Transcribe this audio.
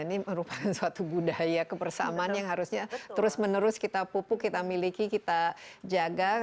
ini merupakan suatu budaya kebersamaan yang harusnya terus menerus kita pupuk kita miliki kita jaga